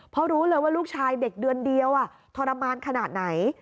เพราะรู้เลยว่าลูกชายเด็กเดือนเดียวทรมานขนาดไหน